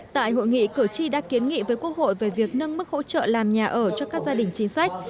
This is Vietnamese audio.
tại hội nghị cử tri đã kiến nghị với quốc hội về việc nâng mức hỗ trợ làm nhà ở cho các gia đình chính sách